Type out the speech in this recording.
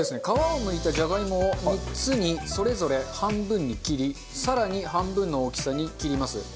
皮を剥いたジャガイモを３つにそれぞれ半分に切り更に半分の大きさに切ります。